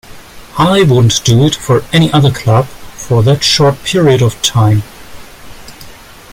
I wouldn't do it for any other club for that short period of time.